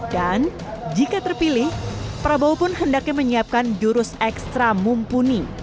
dan jika terpilih prabowo pun hendaknya menyiapkan jurus ekstra mumpuni